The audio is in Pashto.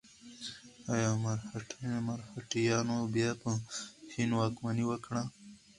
ایا مرهټیانو بیا په هند واکمني وکړه؟